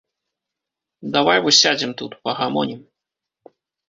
Давай вось сядзем тут, пагамонім.